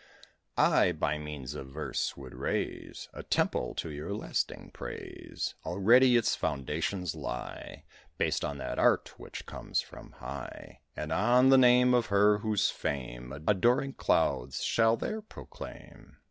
I By means of verse, would raise A temple to your lasting praise. Already its foundations lie Based on that art which comes from high, And on the name of her whose fame Adoring clouds shall there proclaim.